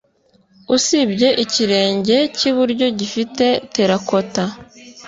usibye ikirenge cyiburyo gifite terracotta